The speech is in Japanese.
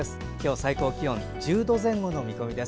最高気温１０度前後の見込みです。